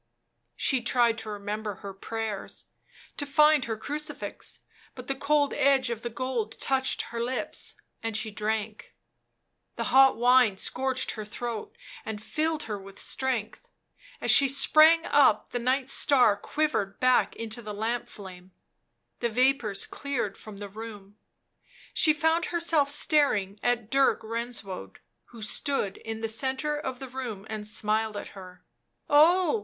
She tried to remember her prayers, to find her crucifix ; but the cold edge of the gold touched her lips, and she drank. The hot wine scorched her throat and filled her with strength ; as she sprang up the Knight's star quivered back into the lamp flame, the vapours cleared from the room ; she found herself staring at Dirk Renswoude, who stood in the centre of the room and smiled at her. " Oh!"